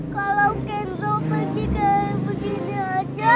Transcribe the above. kalau kenzo pergi kayak begini aja